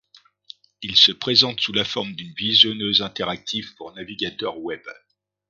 Il se présente sous la forme d'une visionneuse interactive pour navigateurs Web.